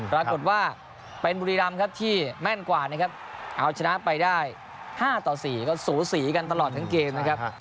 ปรากฏว่าเป็นบุรีรำครับที่แม่นกว่านะครับเอาชนะไปได้๕ต่อ๔ก็สูสีกันตลอดทั้งเกมนะครับ